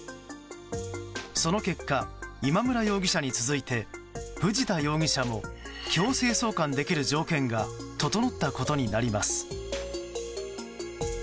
その結果、今村容疑者に続いて藤田容疑者も強制送還できる条件が整ったことになります。